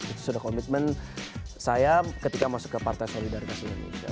itu sudah komitmen saya ketika masuk ke partai solidaritas indonesia